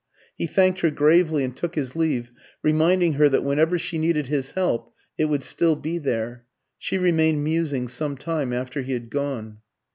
He thanked her gravely and took his leave, reminding her that whenever she needed his help, it would still be there. She remained musing some time after he had gone.